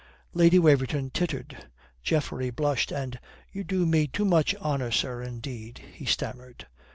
Lady Waverton tittered. Geoffrey blushed, and "You do me too much honour sir, indeed," he stammered.